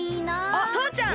あっとうちゃん！